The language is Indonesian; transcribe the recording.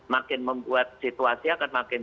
makin membuat situasi akan makin